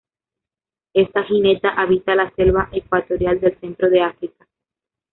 Esta jineta habita la selva ecuatorial del centro de África.